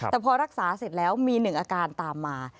แต่พอรักษาเสร็จแล้วมี๑อาการตามมา